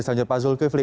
selanjutnya pak zulkifli